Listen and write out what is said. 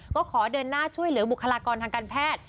ก็ขอเดินหน้าช่วยเหลือบุคลากรทางการแพทย์